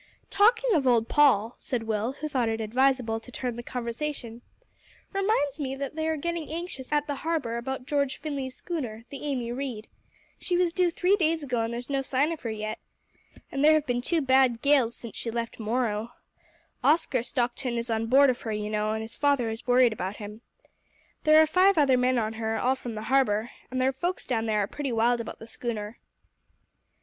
"Talking of old Paul," said Will, who thought it advisable to turn the conversation, "reminds me that they are getting anxious at the Harbour about George Finley's schooner, the Amy Reade. She was due three days ago and there's no sign of her yet. And there have been two bad gales since she left Morro. Oscar Stockton is on board of her, you know, and his father is worried about him. There are five other men on her, all from the Harbour, and their folks down there are pretty wild about the schooner."